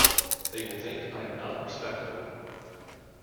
They will think I am not respectable.